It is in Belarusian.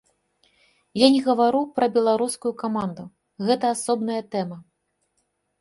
Я не гавару пра беларускую каманду, гэта асобная тэма.